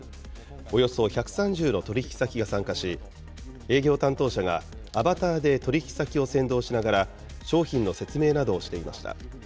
およそ１３０の取り引き先が参加し、営業担当者がアバターで取り引き先を先導しながら、商品の説明などをしていました。